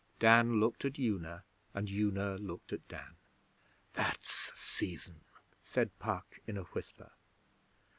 Dan looked at Una, and Una looked at Dan. 'That's seizin,' said Puck, in a whisper.